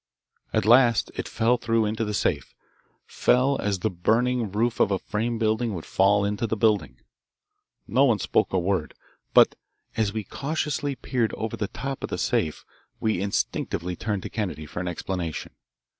At last it fell through into the safe fell as the burning roof of a frame building would fall into the building. No one spoke a word, but as we cautiously peered over the top of the safe we instinctively turned to Kennedy for an explanation.